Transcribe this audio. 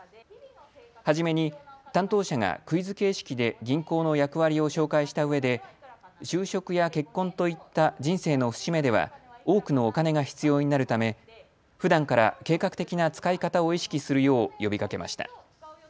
初めに、担当者がクイズ形式で銀行の役割を紹介したうえで、就職や結婚といった人生の節目では、多くのお金が必要になるため、ふだんから計画的な使い方を意識するよう呼びかけました。